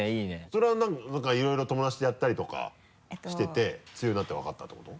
それはなんかいろいろ友達とやったりとかしてて強いなって分かったってこと？